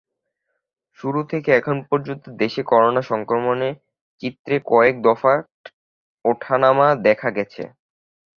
শুরু থেকে এখন পর্যন্ত দেশে করোনা সংক্রমণের চিত্রে কয়েক দফা ওঠানামা দেখা গেছে।